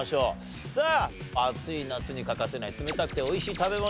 さあ暑い夏に欠かせない冷たくて美味しい食べ物。